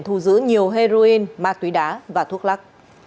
thu giữ nhiều heroin ma túy đá và thuốc lắc